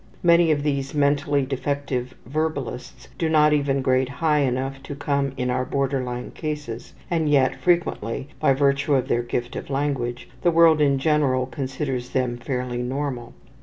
Many of these mentally defective verbalists do not even grade high enough to come in our border line cases, and yet frequently, by virtue of their gift of language, the world in general considers them fairly normal.